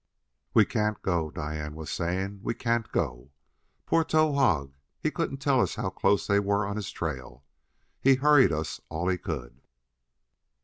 "We can't go," Diane was saying; "we can't go. Poor Towahg! He couldn't tell us how close they were on his trail; he hurried us all he could."